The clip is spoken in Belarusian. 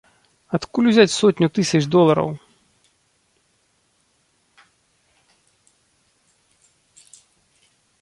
Адкуль узяць сотню тысяч долараў?